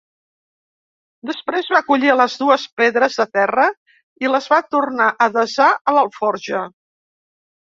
Després va collir les dues pedres de terra i les va tornar a desar a l'alforja